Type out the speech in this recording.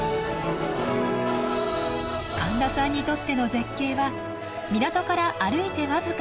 神田さんにとっての絶景は港から歩いて僅か５分で行ける